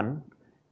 yang dapat diperlukan